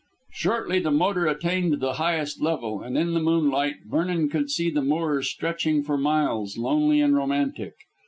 Shortly the motor attained the highest level, and in the moonlight Vernon could see the moors stretching for miles, lonely and romantic.